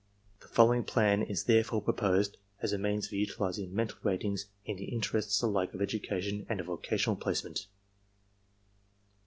"The following plan is therefore proposed as a means of utilizing mental ratings in the interests alike of education and of vocational placement.